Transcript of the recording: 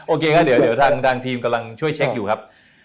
โอเคครับเดี๋ยวทางทีมกำลังช่วยเช็คอยู่ครับ